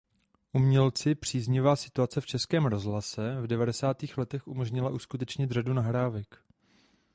Umělci příznivá situace v "Českém rozhlase" v devadesátých letech umožnila uskutečnit řadu nahrávek.